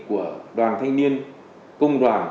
của đoàn thanh niên công đoàn